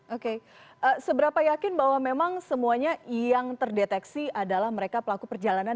oke seberapa yakin bahwa memang semuanya yang terdeteksi adalah mereka pelaku perjalanan